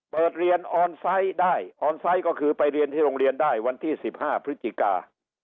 เปิดเรียนออนไซต์ได้ออนไซต์ก็คือไปเรียนที่โรงเรียนได้วันที่๑๕พฤศจิกา